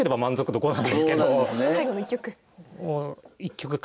最後の１局。